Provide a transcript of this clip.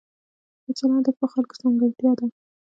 ښه چلند د ښو خلکو ځانګړتیا ده.